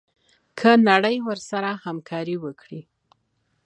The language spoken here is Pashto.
که نړۍ ورسره همکاري وکړي.